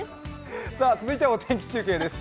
続いてもお天気中継です